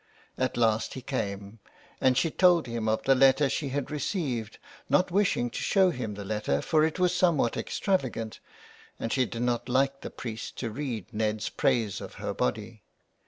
At last he came, and she told him of the letter she had received, not wishing to show him the letter, for it was somewhat extravagant, and she did not like a priest to read Ned's praise of her body.